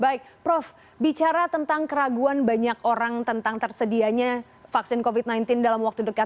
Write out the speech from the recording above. baik prof bicara tentang keraguan banyak orang tentang tersedianya vaksin covid sembilan belas dalam waktu dekat